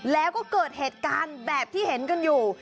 แล้วก็เกิดเหตุการณ์แบบที่เห็นกันอยู่